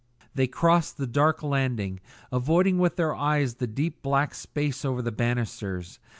They crossed the dark landing, avoiding with their eyes the deep black space over the banisters.